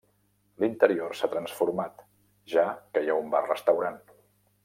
L'interior s'ha transformat, ja que hi ha un bar-restaurant.